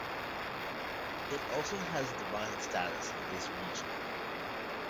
It also has divine status in this region.